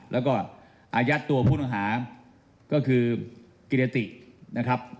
แล้วก็อายัดตัวผู้ต้องหาก็คือกิรตินะครับ